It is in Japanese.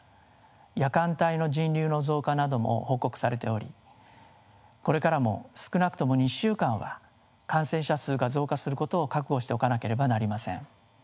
夜間帯の人流の増加なども報告されておりこれからも少なくとも２週間は感染者数が増加することを覚悟しておかなければなりません。